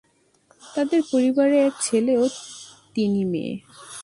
তাদের পরিবারে এক ছেলে ও তিনি মেয়ে।